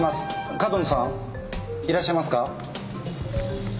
上遠野さんいらっしゃいますか？